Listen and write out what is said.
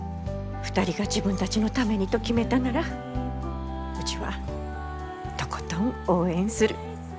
２人が自分たちのためにと決めたならうちはとことん応援する。